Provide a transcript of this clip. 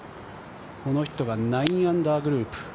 この人が９アンダーグループ。